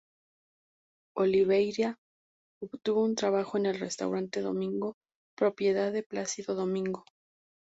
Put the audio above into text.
Oliveira obtuvo un trabajo en el restaurante Domingo, propiedad de Plácido Domingo.